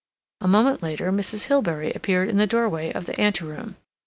A moment later Mrs. Hilbery appeared in the doorway of the ante room.